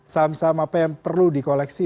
saham saham apa yang perlu di koleksi